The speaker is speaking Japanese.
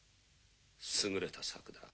優れた作だ。